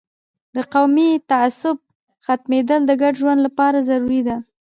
د قومي تعصب ختمیدل د ګډ ژوند لپاره ضروري ده.